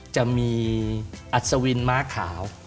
จะมีอัศวินม้าขาว